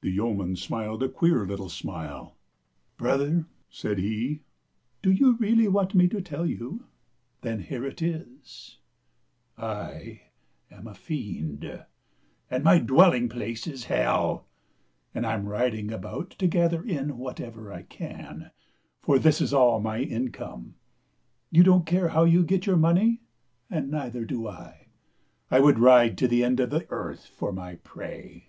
The yeoman smiled a queer little smile. " Brother," said he, " do you really want me to tell you ? Then here it is — I am a fiend, and my dwelling place is hell. I am riding about to gather in whatever I can, for this is all my income. You don't care how you get your money, and neither do I. I would ride to the end of the earth for my prey."